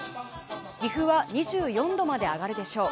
岐阜は２４度まで上がるでしょう。